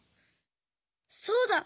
そうだ！